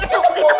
tutup gitu popi